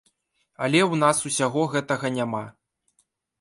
Але ў нас усяго гэтага няма.